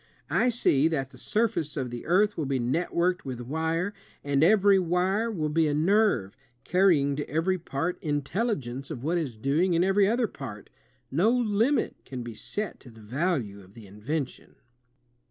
I see ... that the surface of the earth will be networked with wire, and every wire will be a nerve, carrying to every part intelligence of what is doing in every other part. ... No limit can be set to the value of the invention!"